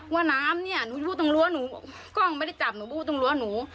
ว่าน้ำเนี่ยหนูพูดตรงรั้วหนูกล้องไม่ได้จับหนูพูดตรงรั้วหนู